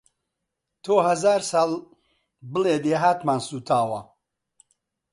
تۆ هەزار ساڵ بڵێ دێهاتمان سووتاوە